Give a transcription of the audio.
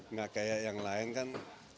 nggak kayak yang lain kan